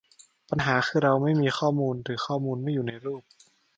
ปัญหาคือเราไม่มีข้อมูล หรือข้อมูลไม่อยู่ในรูป